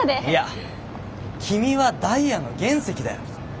いや君はダイヤの原石だよ。